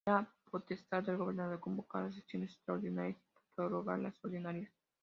Era potestad del Gobernador convocar a sesiones extraordinarias y prorrogar las ordinarias.